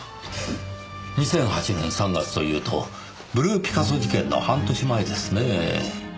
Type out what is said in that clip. ２００８年３月というとブルーピカソ事件の半年前ですねぇ。